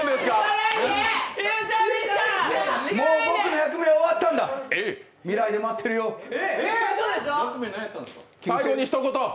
もう僕の役目は終わったんだうそでしょ。